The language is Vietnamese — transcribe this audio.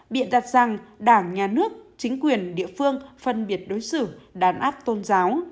biện đặt rằng đảng nhà nước chính quyền địa phương phân biệt đối xử đàn áp tôn giáo